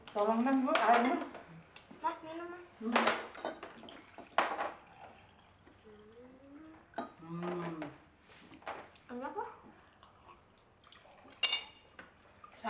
sayang yang ada air jeruk ya